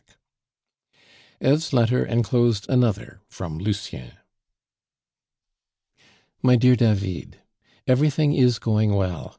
Eve's letter enclosed another from Lucien: "MY DEAR DAVID, Everything is going well.